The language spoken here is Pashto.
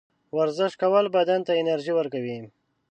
ورزش کول بدن ته انرژي ورکوي.